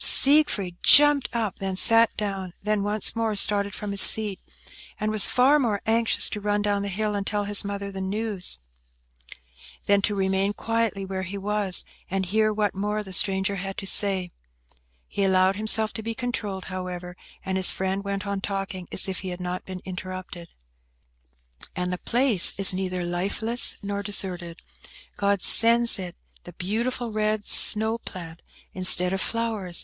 Siegfried jumped up; then sat down; then once more started from his seat, and was far more anxious to run down the hill and tell his mother the news, than to remain quietly where he was, and hear what more the stranger had to tell. He allowed himself to be controlled, however, and his friend went on talking as if he had not been interrupted. "And the place is neither lifeless nor deserted. God sends it the beautiful red snow plant instead of flowers.